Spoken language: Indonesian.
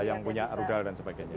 yang punya rudal dan sebagainya